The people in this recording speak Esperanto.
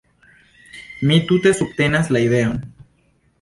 Mi tute subtenas la ideon.